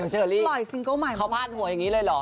เขาพาดหัวอย่างนี้เลยหรอ